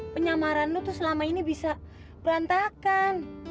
penyamaran lu tuh selama ini bisa berantakan